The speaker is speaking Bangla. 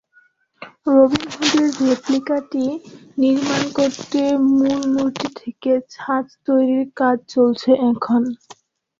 রবিনহুডের রেপ্লিকাটি নির্মাণ করতে মূল মূর্তি থেকে ছাঁচ তৈরির কাজ চলছে এখন।